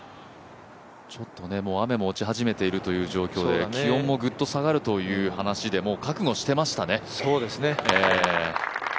雨も落ち始めているという状況で気温もぐっと下がるという話で覚悟してましたね。